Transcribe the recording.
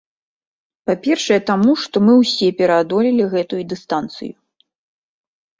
Па-першае, таму, што мы ўсе пераадолелі гэтую дыстанцыю.